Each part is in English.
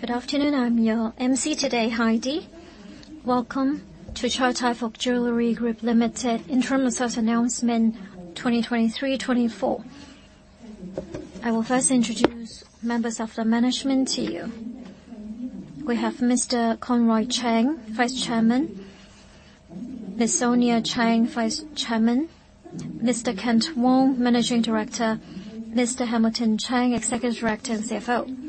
Good afternoon, I'm your MC today, Heidi. Welcome to Chow Tai Fook Jewellery Group Limited Interim Results Announcement 2023, 2024. I will first introduce members of the management to you. We have Mr. Conroy Cheng, Vice Chairman, Ms. Sonia Cheng, Vice Chairman, Mr. Kent Wong, Managing Director, Mr. Hamilton Cheng, Executive Director and CFO.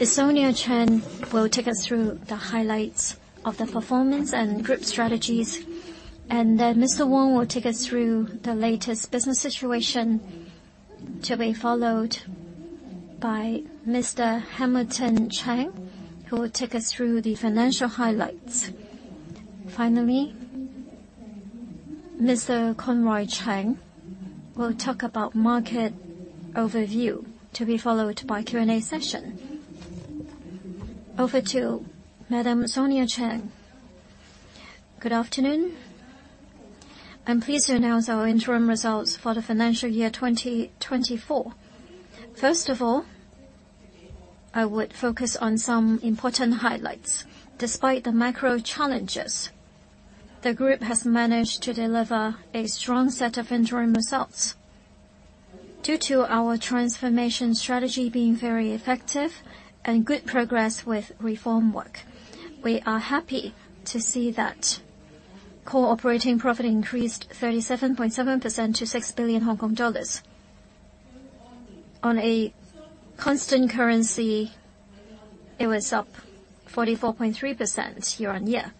Ms. Sonia Cheng will take us through the highlights of the performance and group strategies, and then Mr. Wong will take us through the latest business situation, to be followed by Mr. Hamilton Cheng, who will take us through the financial highlights. Finally, Mr. Conroy Cheng will talk about market overview, to be followed by Q&A session. Over to Madam Sonia Cheng. Good afternoon. I'm pleased to announce our interim results for the financial year 2024. First of all, I would focus on some important highlights. Despite the macro challenges, the group has managed to deliver a strong set of interim results. Due to our transformation strategy being very effective and good progress with reform work, we are happy to see that core operating profit increased 37.7% to 6 billion Hong Kong dollars. On a constant currency, it was up 44.3% YoY.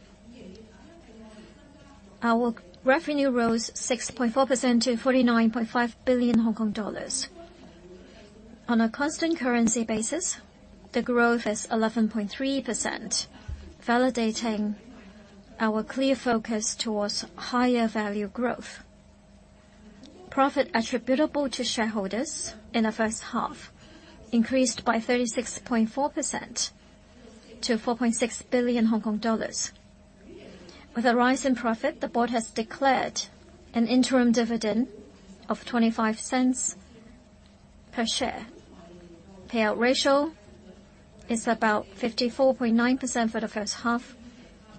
Our revenue rose 6.4% to 49.5 billion Hong Kong dollars. On a constant currency basis, the growth is 11.3%, validating our clear focus towards higher value growth. Profit attributable to shareholders in the first half increased by 36.4% to 4.6 billion Hong Kong dollars. With a rise in profit, the board has declared an interim dividend of 0.25 per share. Payout ratio is about 54.9% for the first half.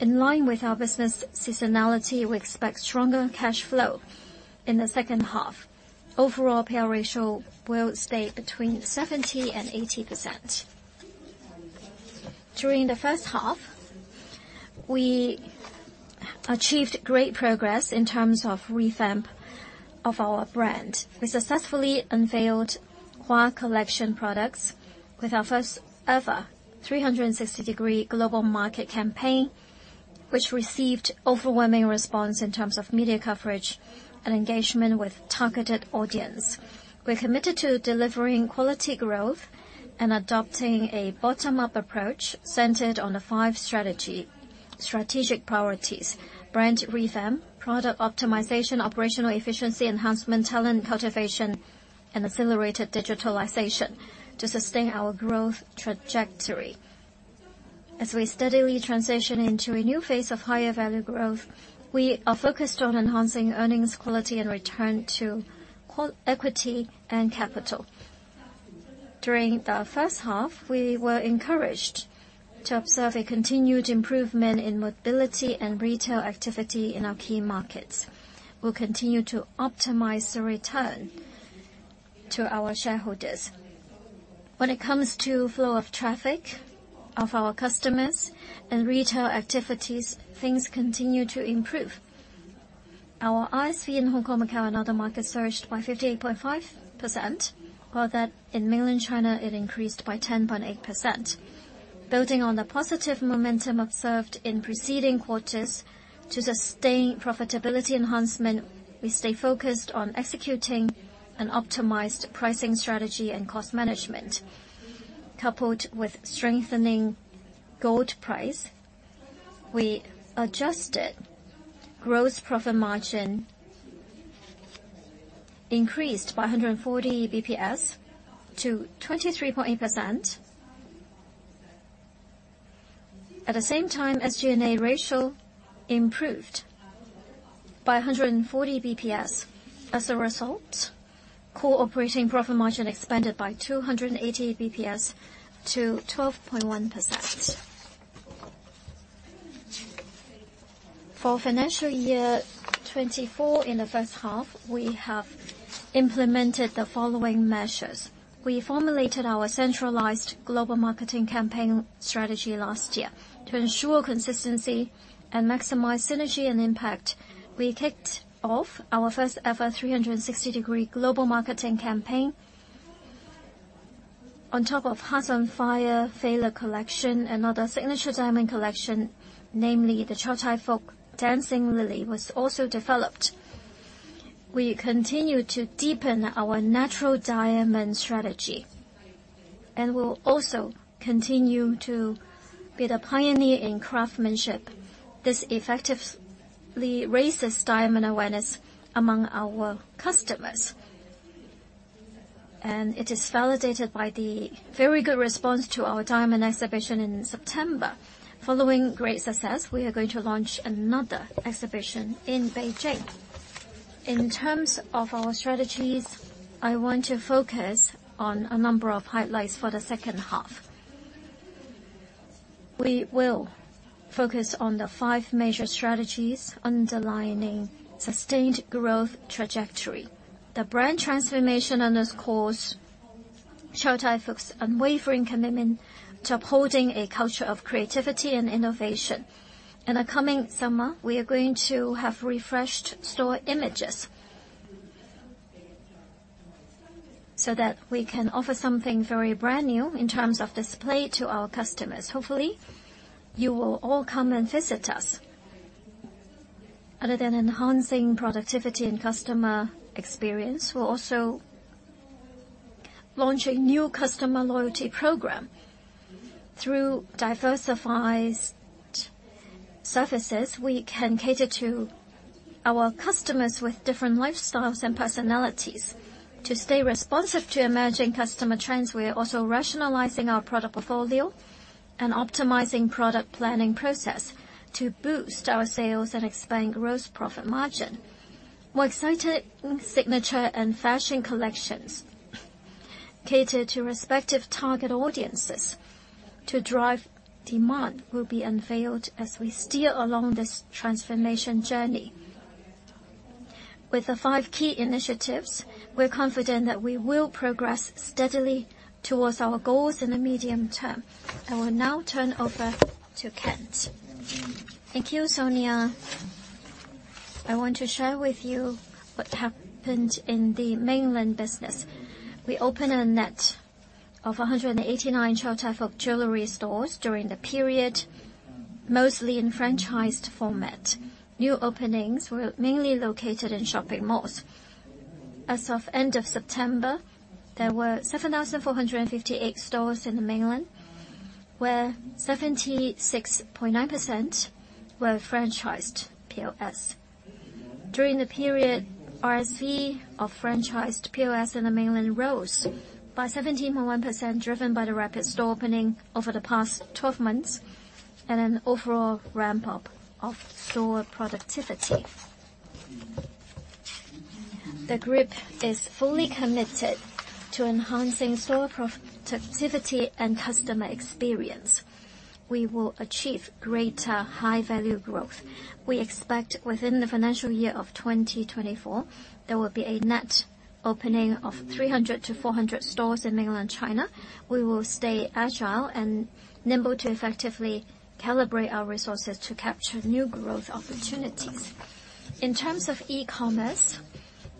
In line with our business seasonality, we expect stronger cash flow in the second half. Overall payout ratio will stay between 70% and 80%. During the first half, we achieved great progress in terms of revamp of our brand. We successfully unveiled HUÁ Collection products with our first-ever 360-degree global marketing campaign, which received overwhelming response in terms of media coverage and engagement with targeted audience. We're committed to delivering quality growth and adopting a bottom-up approach centered on the five strategic priorities: brand revamp, product optimization, operational efficiency enhancement, talent cultivation, and accelerated digitalization to sustain our growth trajectory. As we steadily transition into a new phase of higher value growth, we are focused on enhancing earnings quality and return on equity and capital. During the first half, we were encouraged to observe a continued improvement in mobility and retail activity in our key markets. We'll continue to optimize the return to our shareholders. When it comes to flow of traffic of our customers and retail activities, things continue to improve. Our RSV in Hong Kong, Macau, and other markets surged by 58.5%, while that in Mainland China it increased by 10.8%. Building on the positive momentum observed in preceding quarters to sustain profitability enhancement, we stay focused on executing an optimized pricing strategy and cost management. Coupled with strengthening gold price, we adjusted gross profit margin increased by 140 basis points to 23.8%. At the same time, SG&A ratio improved by 140 basis points. As a result, core operating profit margin expanded by 280 basis points to 12.1%. For financial year 2024, in the first half, we have implemented the following measures. We formulated our centralized global marketing campaign strategy last year to ensure consistency and maximize synergy and impact. We kicked off our first-ever 360-degree global marketing campaign. On top of Hearts ON Fire, Vela Collection, another signature diamond collection, namely the Chow Tai Fook Dancing Lily, was also developed. We continue to deepen our natural diamond strategy, and we'll also continue to be the pioneer in craftsmanship. This effectively raises diamond awareness among our customers, and it is validated by the very good response to our diamond exhibition in September. Following great success, we are going to launch another exhibition in Beijing. In terms of our strategies, I want to focus on a number of highlights for the second half. We will focus on the five major strategies underlining sustained growth trajectory. The brand transformation underscores Chow Tai Fook's unwavering commitment to upholding a culture of creativity and innovation. In the coming summer, we are going to have refreshed store images, so that we can offer something very brand new in terms of display to our customers. Hopefully, you will all come and visit us. Other than enhancing productivity and customer experience, we're also launching new customer loyalty program. Through diversified services, we can cater to our customers with different lifestyles and personalities. To stay responsive to emerging customer trends, we are also rationalizing our product portfolio and optimizing product planning process to boost our sales and expand gross profit margin. More exciting signature and fashion collections cater to respective target audiences to drive demand will be unveiled as we steer along this transformation journey. With the five key initiatives, we're confident that we will progress steadily towards our goals in the medium term. I will now turn over to Kent. Thank you, Sonia. I want to share with you what happened in the Mainland business. We opened a net of 189 Chow Tai Fook jewelry stores during the period, mostly in franchised format. New openings were mainly located in shopping malls. As of end of September, there were 7,458 stores in the Mainland, where 76.9% were franchised POS. During the period, RSV of franchised POS in the Mainland rose by 17.1%, driven by the rapid store opening over the past 12 months, and an overall ramp-up of store productivity. The group is fully committed to enhancing store productivity and customer experience. We will achieve greater high-value growth. We expect within the financial year of 2024, there will be a net opening of 300-400 stores in Mainland China. We will stay agile and nimble to effectively calibrate our resources to capture new growth opportunities. In terms of e-commerce,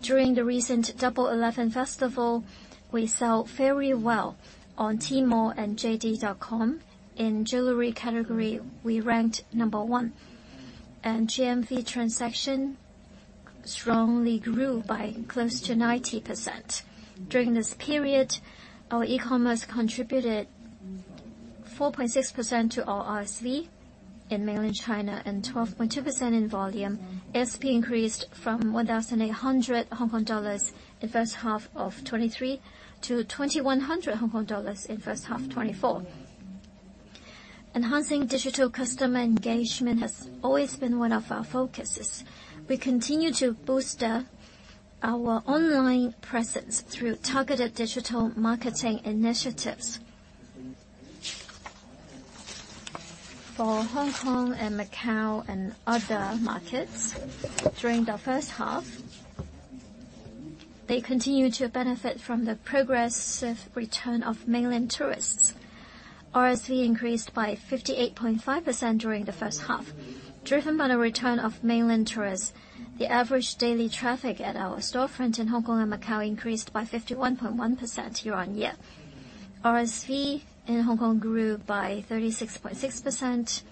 during the recent Double Eleven festival, we sell very well on Tmall and JD.com. In jewelry category, we ranked number one, and GMV transaction strongly grew by close to 90%. During this period, our e-commerce contributed 4.6% to our RSV in Mainland China and 12.2% in volume. ASP increased from 1,800 Hong Kong dollars in first half of 2023 to 2,100 Hong Kong dollars in first half 2024. Enhancing digital customer engagement has always been one of our focuses. We continue to boost our online presence through targeted digital marketing initiatives. For Hong Kong and Macau and other markets, during the first half, they continued to benefit from the progressive return of Mainland tourists. RSV increased by 58.5% during the first half, driven by the return of Mainland tourists. The average daily traffic at our storefront in Hong Kong and Macau increased by 51.1% YoY. RSV in Hong Kong grew by 36.6%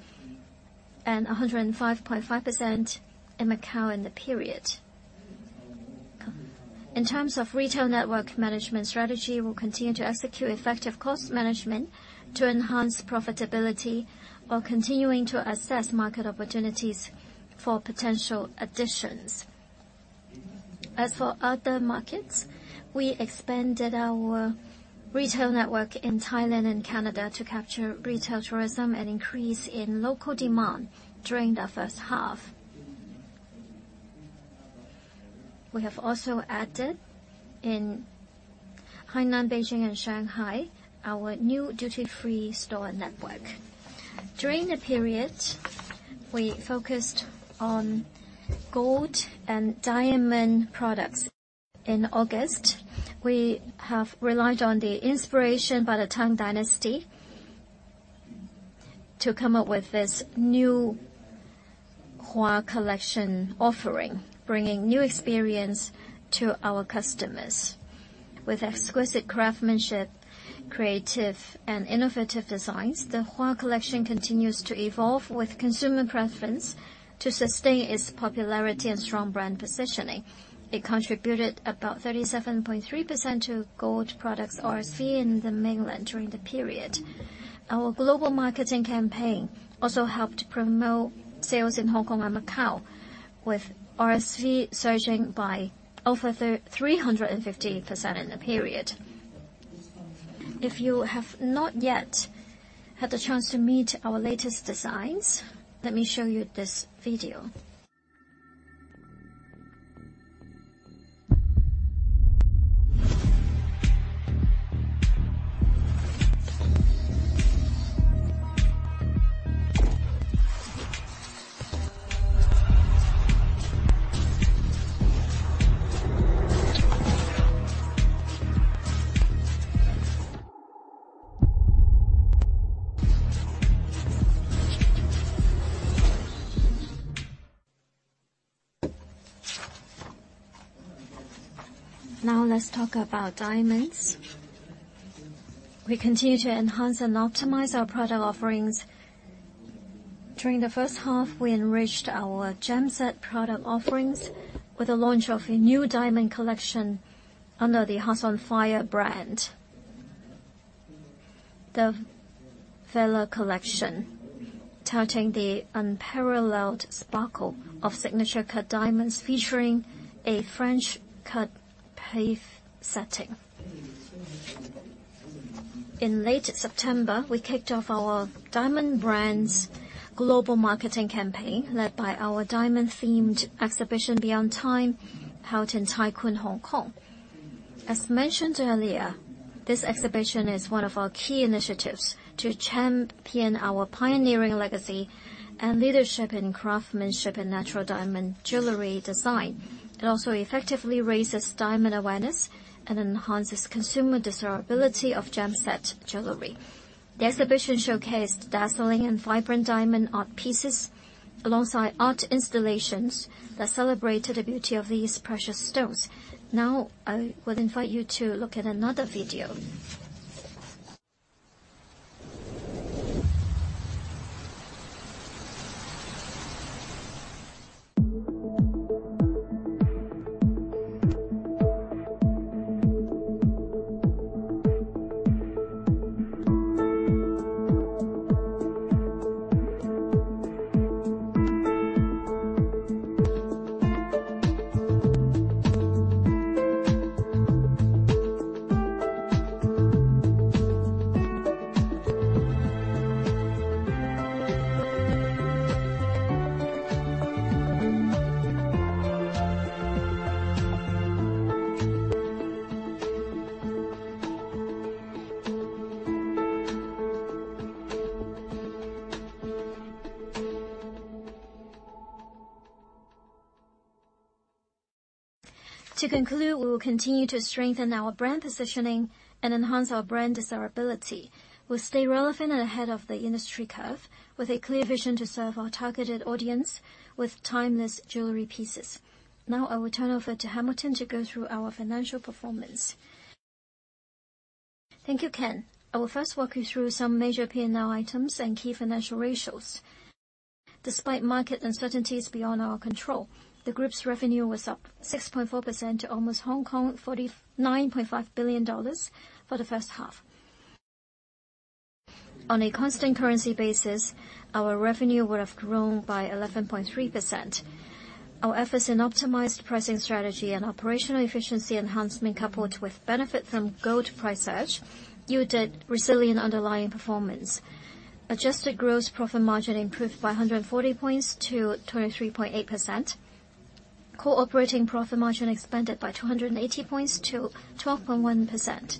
and 105.5% in Macau in the period. In terms of retail network management strategy, we'll continue to execute effective cost management to enhance profitability, while continuing to assess market opportunities for potential additions. As for other markets, we expanded our retail network in Thailand and Canada to capture retail tourism and increase in local demand during the first half. We have also added in Hainan, Beijing and Shanghai, our new duty-free store network. During the period, we focused on gold and diamond products. In August, we have relied on the inspiration by the Tang Dynasty to come up with this new HUÁ collection offering, bringing new experience to our customers. With exquisite craftsmanship, creative and innovative designs, the HUÁ collection continues to evolve with consumer preference to sustain its popularity and strong brand positioning. It contributed about 37.3% to gold products RSV in the Mainland during the period. Our global marketing campaign also helped promote sales in Hong Kong and Macau, with RSV surging by over 350% in the period.... If you have not yet had the chance to meet our latest designs, let me show you this video. Now, let's talk about diamonds. We continue to enhance and optimize our product offerings. During the first half, we enriched our gem set product offerings with the launch of a new diamond collection under the HEARTS ON FIRE brand. The Vela collection, touting the unparalleled sparkle of signature cut diamonds, featuring a French-cut pavé setting. In late September, we kicked off our diamond brand's global marketing campaign, led by our diamond-themed exhibition, Beyond Time, held in Tai Kwun, Hong Kong. As mentioned earlier, this exhibition is one of our key initiatives to champion our pioneering legacy and leadership in craftsmanship and natural diamond jewelry design. It also effectively raises diamond awareness and enhances consumer desirability of gem set jewelry. The exhibition showcased dazzling and vibrant diamond art pieces, alongside art installations that celebrated the beauty of these precious stones. Now, I would invite you to look at another video. To conclude, we will continue to strengthen our brand positioning and enhance our brand desirability. We'll stay relevant and ahead of the industry curve, with a clear vision to serve our targeted audience with timeless jewelry pieces. Now I will turn over to Hamilton to go through our financial performance. Thank you, Kent. I will first walk you through some major P&L items and key financial ratios. Despite market uncertainties beyond our control, the group's revenue was up 6.4% to almost 49.5 billion Hong Kong dollars for the first half. On a constant currency basis, our revenue would have grown by 11.3%. Our efforts in optimized pricing strategy and operational efficiency enhancement, coupled with benefit from gold price hedge, coupled with benefit from gold price hedge, yielded resilient underlying performance. Adjusted gross profit margin improved by 140 points to 23.8%. Core operating profit margin expanded by 280 points to 12.1%.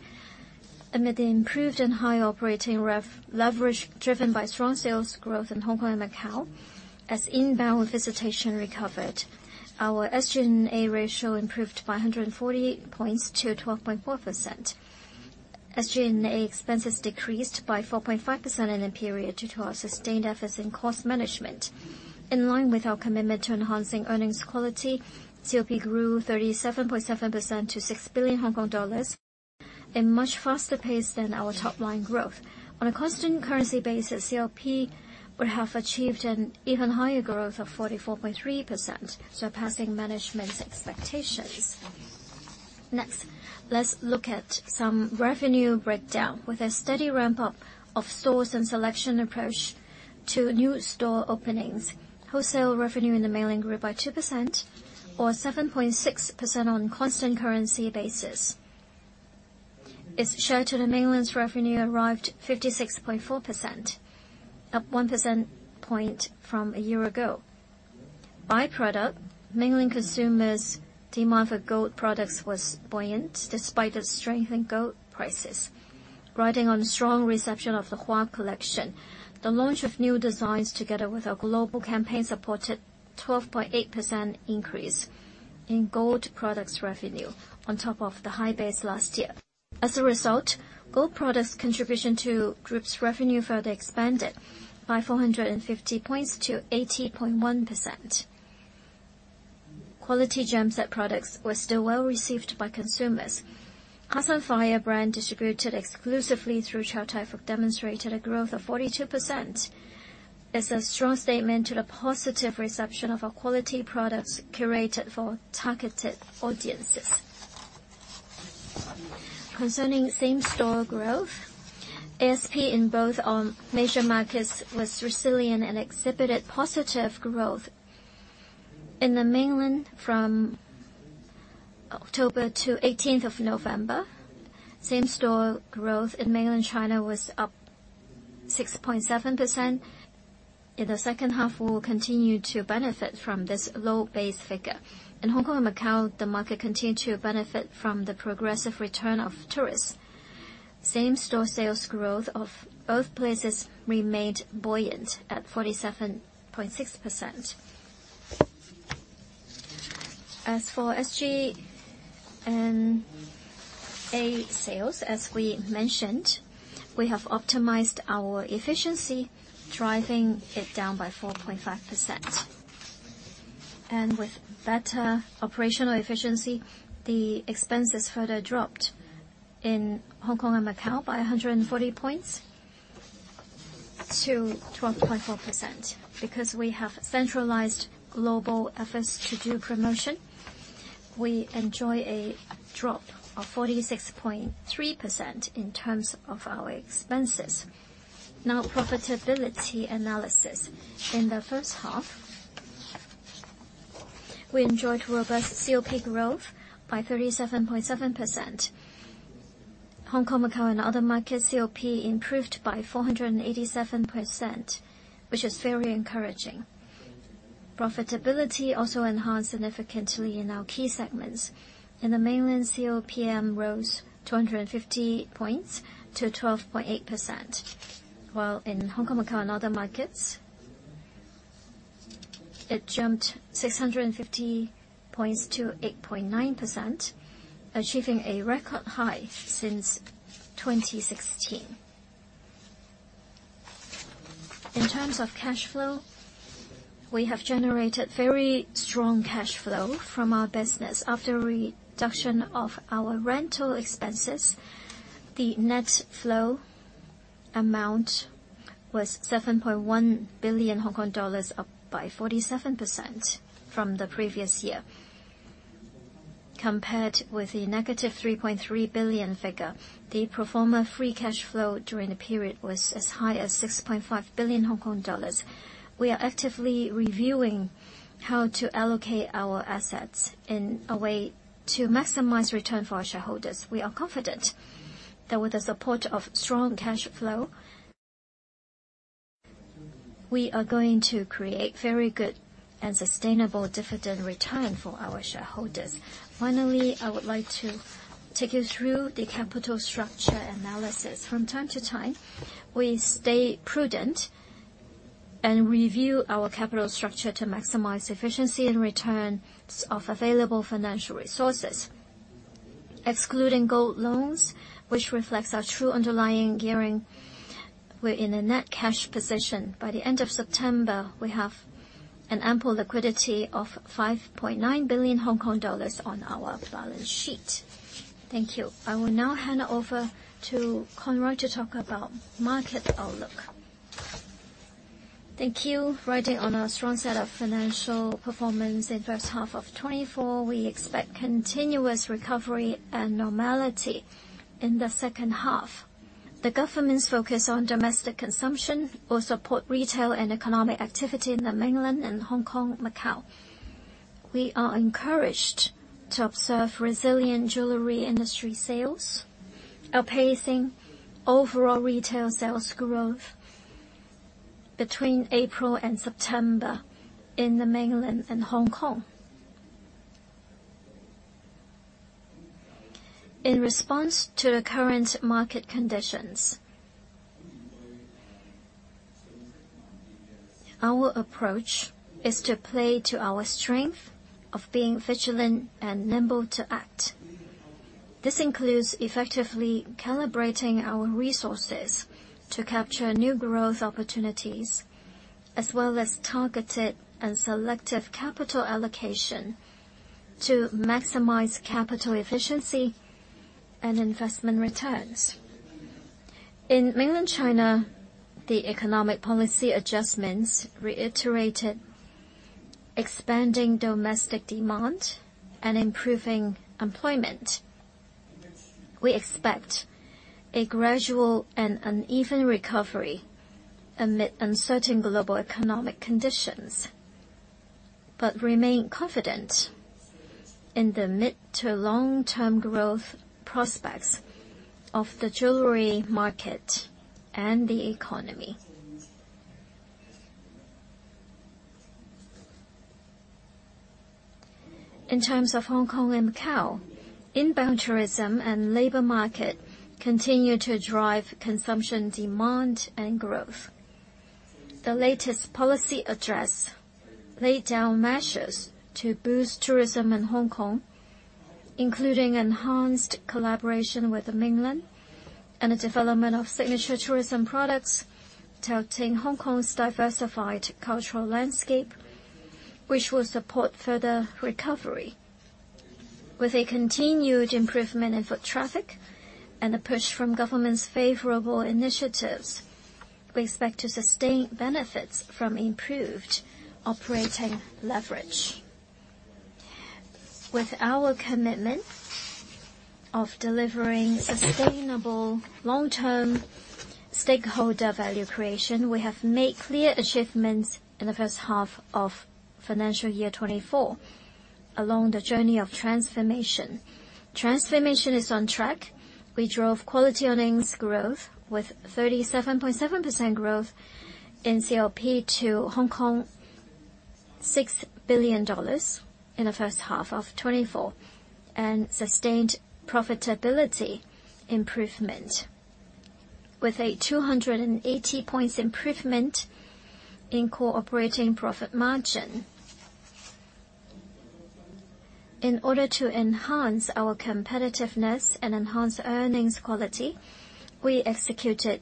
Amid the improved and high operating rev leverage, driven by strong sales growth in Hong Kong and Macau, as inbound visitation recovered, our SG&A ratio improved by 140 points to 12.4%. SG&A expenses decreased by 4.5% in the period, due to our sustained efforts in cost management. In line with our commitment to enhancing earnings quality, COP grew 37.7% to 6 billion Hong Kong dollars, a much faster pace than our top line growth. On a constant currency basis, COP would have achieved an even higher growth of 44.3%, surpassing management's expectations. Next, let's look at some revenue breakdown. With a steady ramp-up of source and selection approach to new store openings, wholesale revenue in the Mainland grew by 2% or 7.6% on constant currency basis. Its share to the Mainland's revenue arrived 56.4%, up 1 percentage point from a year ago. By product, Mainland consumers' demand for gold products was buoyant despite the strength in gold prices. Riding on strong reception of the HUÁ Collection, the launch of new designs, together with our global campaign, supported 12.8% increase in gold products revenue on top of the high base last year. As a result, gold products contribution to Group's revenue further expanded by 450 points to 18.1%. Quality gem set products were still well-received by consumers. HEARTS ON FIRE brand, distributed exclusively through Chow Tai Fook, demonstrated a growth of 42%. It's a strong statement to the positive reception of our quality products curated for targeted audiences. Concerning same-store growth, ASP in both our major markets was resilient and exhibited positive growth. In the Mainland, from October to 18th of November, same-store growth in Mainland China was up 6.7%. In the second half, we will continue to benefit from this low base figure. In Hong Kong and Macau, the market continued to benefit from the progressive return of tourists. Same-store sales growth of both places remained buoyant at 47.6%. As for SG&A sales, as we mentioned, we have optimized our efficiency, driving it down by 4.5%. With better operational efficiency, the expenses further dropped in Hong Kong and Macau by 140 points to 12.4%. Because we have centralized global efforts to do promotion, we enjoy a drop of 46.3% in terms of our expenses. Now, profitability analysis. In the first half, we enjoyed robust COP growth by 37.7%. Hong Kong, Macau, and other markets, COP improved by 487%, which is very encouraging. Profitability also enhanced significantly in our key segments. In the Mainland, COPM rose 250 points to 12.8%, while in Hong Kong, Macau, and other markets, it jumped 650 points to 8.9%, achieving a record high since 2016. In terms of cash flow, we have generated very strong cash flow from our business. After reduction of our rental expenses, the net flow amount was 7.1 billion Hong Kong dollars, up by 47% from the previous year. Compared with the -3.3 billion figure, the pro forma free cash flow during the period was as high as 6.5 billion Hong Kong dollars. We are actively reviewing how to allocate our assets in a way to maximize return for our shareholders. We are confident that with the support of strong cash flow, we are going to create very good and sustainable dividend return for our shareholders. Finally, I would like to take you through the capital structure analysis. From time to time, we stay prudent and review our capital structure to maximize efficiency and returns of available financial resources. Excluding gold loans, which reflects our true underlying gearing, we're in a net cash position. By the end of September, we have an ample liquidity of 5.9 billion Hong Kong dollars on our balance sheet. Thank you. I will now hand over to Conroy to talk about market outlook. Thank you. Riding on our strong set of financial performance in first half of 2024, we expect continuous recovery and normality in the second half. The government's focus on domestic consumption will support retail and economic activity in the Mainland and Hong Kong, Macau. We are encouraged to observe resilient jewelry industry sales outpacing overall retail sales growth between April and September in the Mainland and Hong Kong. In response to the current market conditions, our approach is to play to our strength of being vigilant and nimble to act. This includes effectively calibrating our resources to capture new growth opportunities, as well as targeted and selective capital allocation to maximize capital efficiency and investment returns. In Mainland China, the economic policy adjustments reiterated expanding domestic demand and improving employment. We expect a gradual and uneven recovery amid uncertain global economic conditions, but remain confident in the mid to long-term growth prospects of the jewelry market and the economy. In terms of Hong Kong and Macau, inbound tourism and labor market continue to drive consumption, demand, and growth. The latest policy address laid down measures to boost tourism in Hong Kong, including enhanced collaboration with the Mainland and the development of signature tourism products to obtain Hong Kong's diversified cultural landscape, which will support further recovery. With a continued improvement in foot traffic and a push from government's favorable initiatives, we expect to sustain benefits from improved operating leverage. With our commitment of delivering sustainable long-term stakeholder value creation, we have made clear achievements in the first half of financial year 2024 along the journey of transformation. Transformation is on track. We drove quality earnings growth with 37.7% growth in COP to 6 billion dollars in the first half of 2024, and sustained profitability improvement with a 280 points improvement in core operating profit margin. In order to enhance our competitiveness and enhance earnings quality, we executed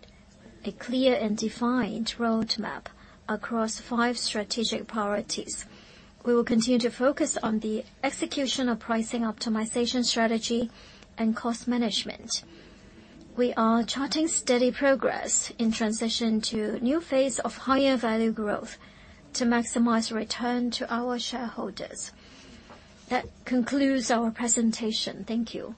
a clear and defined roadmap across 5 strategic priorities. We will continue to focus on the execution of pricing optimization strategy and cost management. We are charting steady progress in transition to a new phase of higher value growth to maximize return to our shareholders. That concludes our presentation. Thank you.